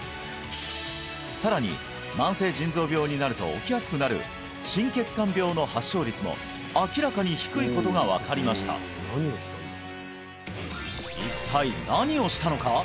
さらに慢性腎臓病になると起きやすくなる心血管病の発症率も明らかに低いことが分かりました一体何をしたのか？